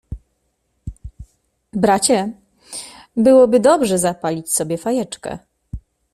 — Bracie, byłoby dobrze zapalić sobie fajeczkę.